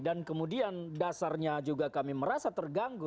dan kemudian dasarnya juga kami merasa terganggu